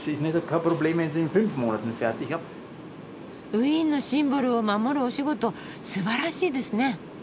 ウィーンのシンボルを守るお仕事すばらしいですね。